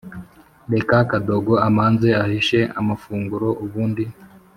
reka kadogo amanze ahishe amafunguro ubundi